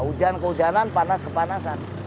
hujan kehujanan panas kepanasan